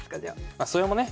まそれもね